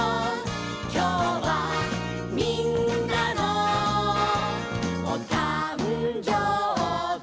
「きょうはみんなのおたんじょうび」